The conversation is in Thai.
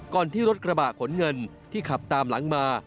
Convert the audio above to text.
ที่รถกระบะขนเงินที่ขับตามหลังมา